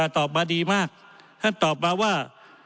ตอบมาดีมากท่านตอบมาว่า